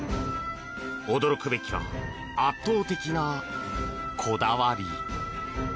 驚くべきは圧倒的なこだわり。